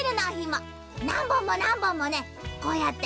なんぼんもなんぼんもねこうやって。